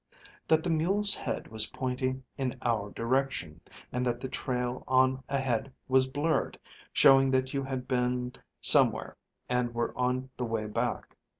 "That the mule's head was pointing in our direction, and that the trail on ahead was blurred, showing that you had been somewhere and were on the way back.